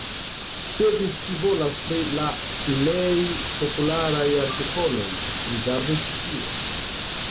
Se vi scivolas pri la plej popularaj artikoloj, rigardu ĉi tie.